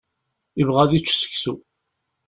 Yebɣa ad yečč seksu.